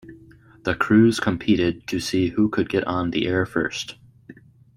The crews competed to see who could get on the air first.